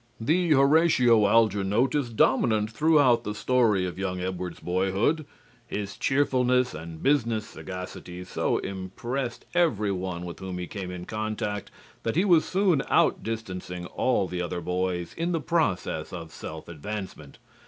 The Horatio Alger note is dominant throughout the story of young Edward's boyhood. His cheerfulness and business sagacity so impressed everyone with whom he came in contact that he was soon outdistancing all the other boys in the process of self advancement.